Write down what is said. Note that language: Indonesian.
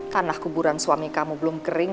tanah kuburan suami kamu belum kering